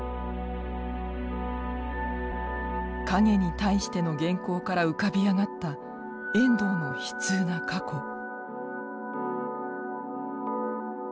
「影に対して」の原稿から浮かび上がった遠藤の悲痛な過去。